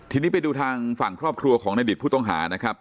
ทีนี้ไปดูทางฝั่งครอบครัวของในดิตผู้ต้องหานะครับ